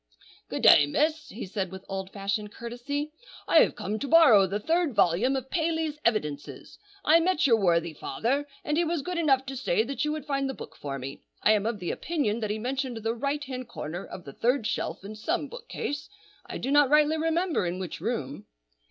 "Good day, miss!" he said, with old fashioned courtesy, "I have come to borrow the third volume of 'Paley's Evidences.' I met your worthy father, and he was good enough to say that you would find the book for me. I am of the opinion that he mentioned the right hand corner of the third shelf in some bookcase; I do not rightly remember in which room."